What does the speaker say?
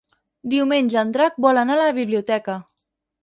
Diumenge en Drac vol anar a la biblioteca.